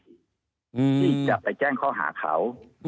ที่จะไปแจ้งข้อหาเขา